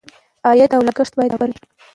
عاید او لګښت باید برابر وي.